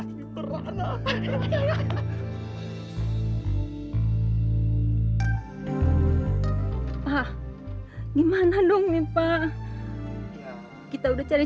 yang mencuri bunga di rumah ibu ini